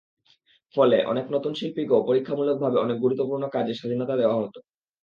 ফলে, অনেক নতুন শিল্পীকেও পরীক্ষামূলকভাবে অনেক গুরুত্বপূর্ণ কাজে স্বাধীনতা দেওয়া হতো।